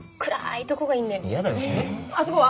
あそこは？